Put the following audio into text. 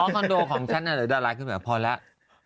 อ๋อคอนโดของฉันดาราคขึ้นบ่อยพอแล้ว